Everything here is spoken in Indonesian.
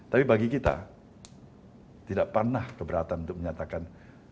tapi bagi kita tidak pernah keberatan untuk menyatakan